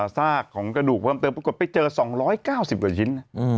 สากของกระดูกเพิ่มเติมแล้วก็ไปเจอ๒๙๐กิโลเงินชิ้น